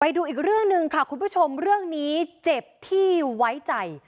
ดูอีกเรื่องหนึ่งค่ะคุณผู้ชมเรื่องนี้เจ็บที่ไว้ใจ